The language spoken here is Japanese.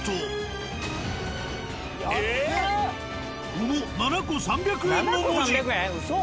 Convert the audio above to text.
［桃７個３００円の文字］